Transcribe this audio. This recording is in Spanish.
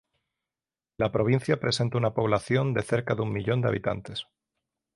La provincia presenta una población de cerca de un millón de habitantes.